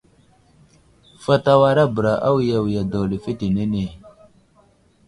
Fat awara bəra awiyawiga daw lefetenene.